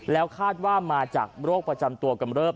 แล้วคาดว่ามาจากโรคประจำตัวกำเริบ